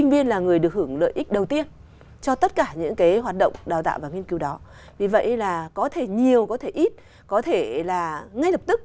và nghiên cứu đó vì vậy là có thể nhiều có thể ít có thể là ngay lập tức